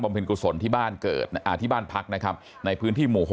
เพลงกุศลที่บ้านเกิดที่บ้านพักนะครับในพื้นที่หมู่๖